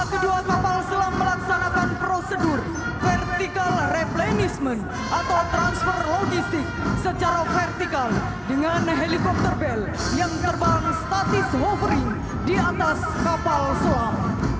kri nagapasa melaksanakan prosedur vertikal replenishment atau transfer logistik secara vertikal dengan helipopter bel yang terbang statis hovering di atas kapal selam